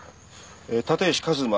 立石一馬。